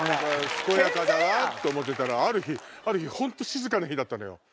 健やかだと思ってたらある日本当静かな日だったのよ。